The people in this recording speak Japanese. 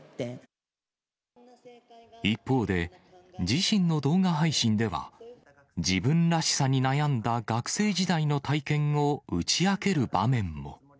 一方で、自身の動画配信では、自分らしさに悩んだ学生時代の体験を打ち明ける場面も。